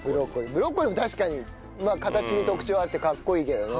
ブロッコリー確かに形に特徴あってかっこいいけどね。